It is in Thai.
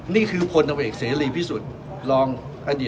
นี่คือพลตำเอกเสรีพิสุทธิ์